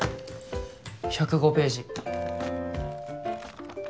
１０５ページ。